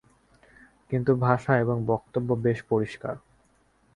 কিন্তু ভাষা এবং বক্তব্য বেশ পরিষ্কার।